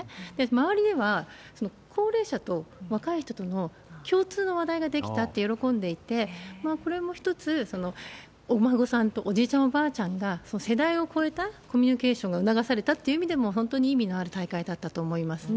周りでは、高齢者と若い人との共通の話題が出来たと喜んでいて、これも一つ、お孫さんとおじいちゃん、おばあちゃんが、世代を超えたコミュニケーションが促されたっていう意味でも、本当に意味のある大会だったと思いますね。